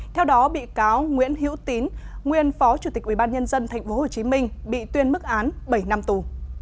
theo đó bị cáo nguyễn hữu tín nguyên phó chủ tịch ubnd tp hcm bị tuyên mức án bảy năm tù